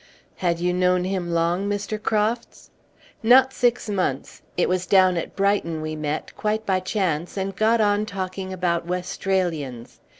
"Had you known him long, Mr. Crofts?" "Not six months; it was down at Brighton we met, quite by chance, and got on talking about Westralians.